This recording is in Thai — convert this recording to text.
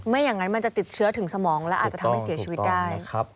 อย่างนั้นมันจะติดเชื้อถึงสมองและอาจจะทำให้เสียชีวิตได้